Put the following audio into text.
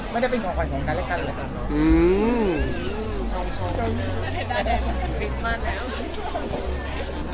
มันได้เป็นของขวัญของกัลแล้วกันเลยจริง